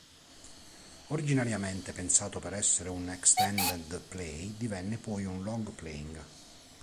Originariamente pensato per essere un extended play, divenne poi un long playing.